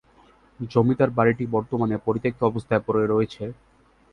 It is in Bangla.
জমিদার বাড়িটি বর্তমানে পরিত্যক্ত অবস্থায় পড়ে রয়েছে।